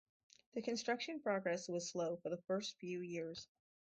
The construction progress was slow for the first few years.